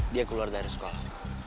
dia keluar dari sekolah